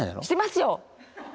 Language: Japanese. してますよ！